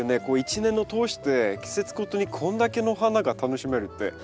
こう一年を通して季節ごとにこんだけの花が楽しめるって。